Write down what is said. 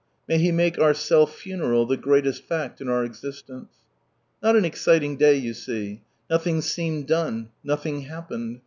May He make our self funeral the greatest fact in our existence. Not an exciting day, you see. Nothing seemed done, nothing happened.